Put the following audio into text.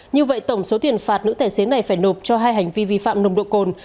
như vậy tổng số tiền phạt nữ tài xế này phải nộp cho hai hành vi vi phạm nồng độ cồn